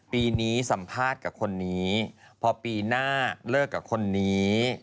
ปีนี้สัมภาษณ์กับคนนี้พอปีหน้าเลิกกับคนนี้